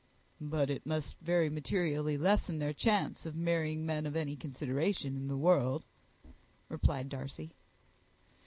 "But it must very materially lessen their chance of marrying men of any consideration in the world," replied Darcy.